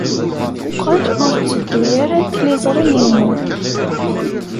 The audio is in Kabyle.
Teqqel ur tetteddu ara tliẓri-inu.